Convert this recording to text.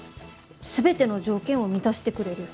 全ての条件を満たしてくれる。